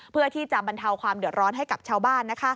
เพื่อที่จะบรรเทาความเดือดร้อนให้กับชาวบ้าน